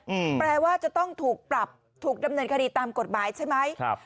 แปลว่าจะต้องถูกปรับถูกดำเนินคดีตามกฎหมายใช่ไหมครับ